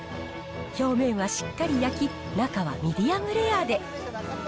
表面はしっかり焼き、中はミディアムレアで。